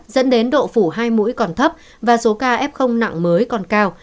dẫn đến độ phủ hai mũi còn thấp và số ca f nặng mới còn cao